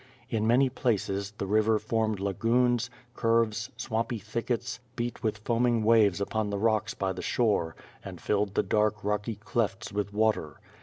In many places, the river formed lagoons, curves, swampy thickets, beat with foamijg waves upon the rocks by the shore, and filled the dark rocky clefts with water.